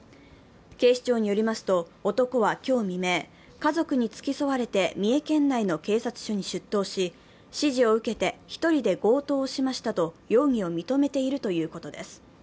警視庁によりますと男は今日未明、家族に付き添われて三重県内の警察署に出頭し、指示を受けて１人で強盗をしましたと容疑を認めているということです。